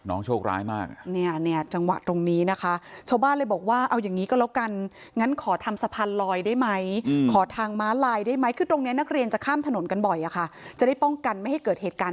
โอ้โหแต่น้องโชคร้ายมาก